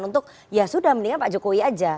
untuk ya sudah mendingan pak jokowi aja